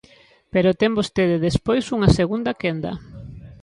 Pero ten vostede despois unha segunda quenda.